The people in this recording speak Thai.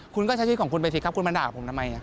คุณก็ใช้ชีวิตของคุณไปสิครับคุณมาด่าผมทำไม